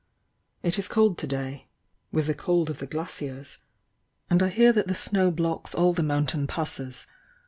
"It is cold to day— with the cold of the glaciers, and I hear that the snow blocks all the mountain passes.